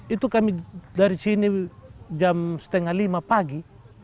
itu kami dari sini jam setengah lima pagi